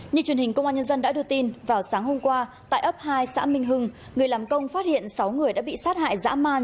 như truyền hình công an nhân dân đã đưa tin vào sáng hôm qua tại ấp hai xã minh hưng người làm công phát hiện sáu người đã bị sát hại dã man